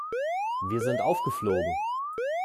Wir sind aufgeflogen.